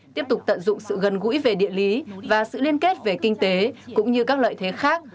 tiếp tục tận dụng sự gần gũi về địa lý và sự liên kết về kinh tế cũng như các lợi thế khác